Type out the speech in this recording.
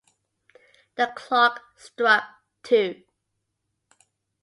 The clock struck two.